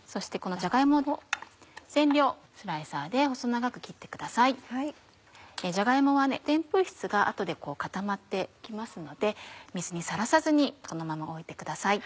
じゃが芋はでんぷん質が後で固まって来ますので水にさらさずにこのまま置いてください。